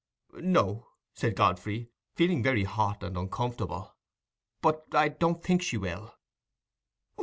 "No," said Godfrey, feeling very hot and uncomfortable; "but I don't think she will."